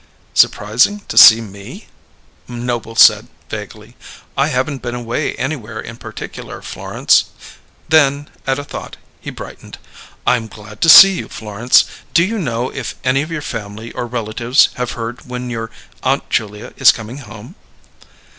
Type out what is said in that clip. "Surprising to see me?" Noble said vaguely. "I haven't been away anywhere in particular, Florence." Then, at a thought, he brightened. "I'm glad to see you, Florence. Do you know if any of your family or relatives have heard when your Aunt Julia is coming home?"